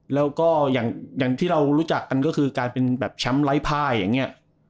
แล้วก็อย่างที่เรารู้จักกันก็คือการเป็นแบบแชมป์ไร้ภายอย่างนี้